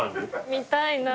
見たいな。